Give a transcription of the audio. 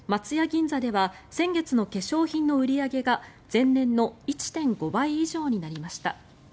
銀座では先月の化粧品の売り上げが前年の１．５倍以上になりました。